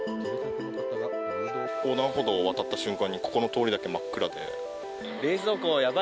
横断歩道を渡った瞬間にここの通り真っ暗で。